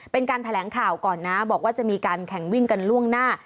เป็นการแถลงข่าวก่อนนะบอกว่าจะมีการแข่งวิ่งกันล่วงหน้า